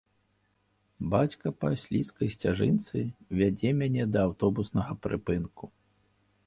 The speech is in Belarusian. Бацька па слізкай сцяжынцы вядзе мяне да аўтобуснага прыпынку.